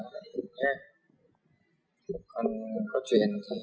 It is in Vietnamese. còn có chuyện thì cho nó về